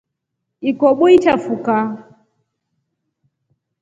Ikobo iashafuka.